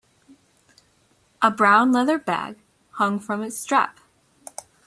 A brown leather bag hung from its strap.